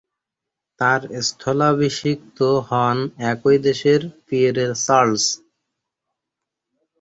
তার স্থলাভিষিক্ত হন একই দলের পিয়ের চার্লস।